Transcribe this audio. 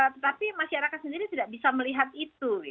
tetapi masyarakat sendiri tidak bisa melihat itu